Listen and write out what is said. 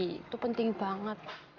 itu penting banget